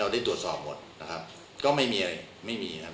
ได้ตรวจสอบหมดนะครับก็ไม่มีอะไรไม่มีนะครับ